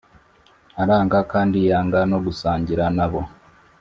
aranga kandi yanga no gusangira na bo.